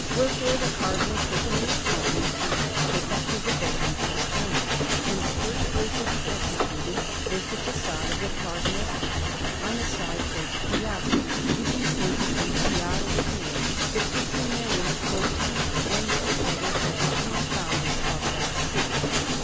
Wherefore the Cardinal took him in his company to take up his abode in Cortona; and the first work that he executed was the façade of the Cardinal's house on the side towards the Piazza, which he painted in chiaroscuro, depicting therein Croton and the other original founders of that city.